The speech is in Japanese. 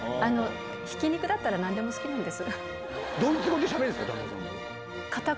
ひき肉だったらなんでも好きなんです。